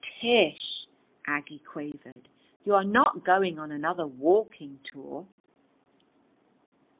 "Tish!" Aggie quavered. "You are not going on another walking tour?"